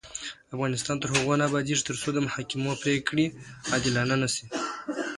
افغانستان تر هغو نه ابادیږي، ترڅو د محاکمو پریکړې عادلانه نشي.